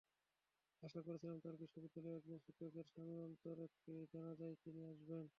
আশা করেছিলাম, তাঁর বিশ্ববিদ্যালয়ের একজন শিক্ষকের স্বামীর অন্তত একটি জানাজায় তিনি আসবেন।